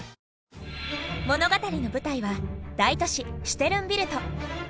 物語の舞台は大都市シュテルンビルト。